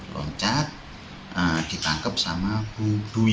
loncat ditangkap sama bu dwi